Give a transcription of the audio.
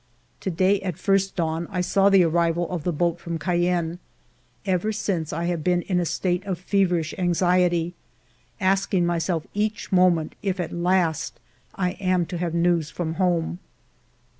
To day, at first dawn, I saw the arrival of the boat from Cayenne. Ever since, I have been in a state of feverish anxiety, asking myself each mo ment if at last I am to have news from home.